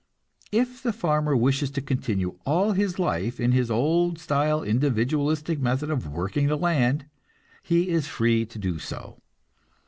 If the farmer wishes to continue all his life in his old style individualistic method of working the land, he is free to do so.